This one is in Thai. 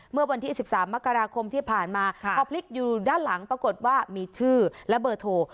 เมื่อวันที่๑๓มกราคมที่ผ่านมาพอพลิกอยู่ด้านหลังปรากฏว่ามีชื่อและเบอร์โทร